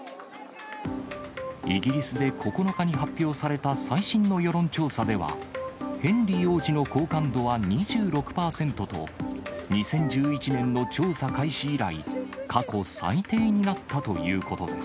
イギリスで９日に発表された最新の世論調査では、ヘンリー王子の好感度は２６％と、２０１１年の調査開始以来、過去最低になったということです。